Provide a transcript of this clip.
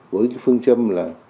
với cái phương châm là